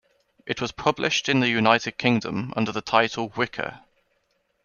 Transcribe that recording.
It was published in the United Kingdom under the title Wicker.